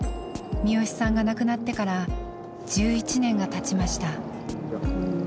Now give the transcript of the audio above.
視良さんが亡くなってから１１年がたちました。